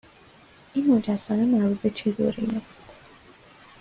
این مجسمه مربوط به چه دوره ای است؟